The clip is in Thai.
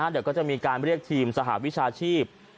เดี๋ยวก็จะมีการเรียกทีมสหวิชาชีพ